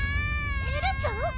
エルちゃん？